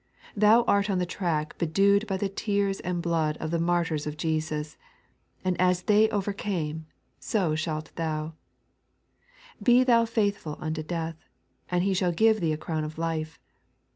Thou art on the track bedewed by the tears and blood of the martyrs of Jesus, and as they overcame so shalt thou. Be thou faith ful unto death, and He shall give thee a crown of life.